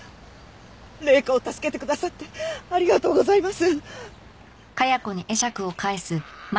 麗華を助けてくださってありがとうございます！